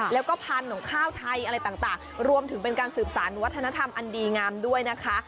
แล้วก็พันธุ์ของข้าวไทยอะไรต่างรวมถึงเป็นการสืบสารวัฒนธรรมอันดีงามด้วยนะคะ